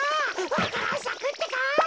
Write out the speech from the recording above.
わか蘭さくってか？